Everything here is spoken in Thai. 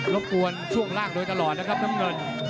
บกวนช่วงล่างโดยตลอดนะครับน้ำเงิน